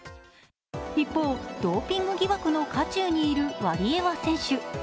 一方、ドーピング疑惑の渦中にいるワリエワ選手。